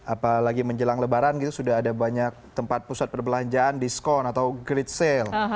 apalagi menjelang lebaran gitu sudah ada banyak tempat pusat perbelanjaan diskon atau grid sale